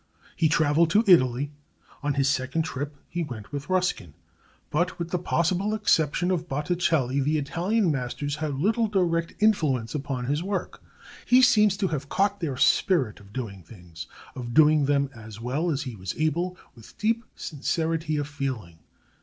He traveled to Italy. On his second trip he went with Ruskin. But with the possible exception of Botticelli, the Italian masters had little direct influence upon his work. He seems to have caught their spirit of doing things, of doing them as well as he was able, with deep sincerity of feeling.